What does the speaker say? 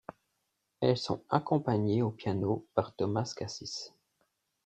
Elles sont accompagnées au piano par Thomas Cassis.